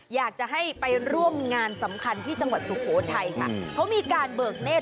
อยากจะให้ไปร่วมงานสำคัญที่จังหวัดสุโขทัยค่ะเขามีการเบิกเนธ